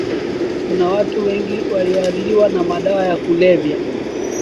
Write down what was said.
Kuna watu wengi walioathiriwa na madawa ya kulevya